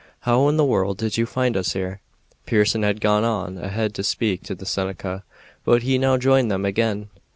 How in the world did you find us here?" Pearson had gone on ahead to speak to the Seneca, but he now joined them again.